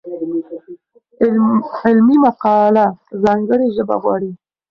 علمي مقاله ځانګړې ژبه غواړي.